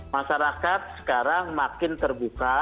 masyarakat sekarang makin terbuka